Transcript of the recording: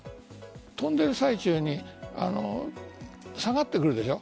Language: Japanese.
飛んでいる最中に下がってくるでしょう。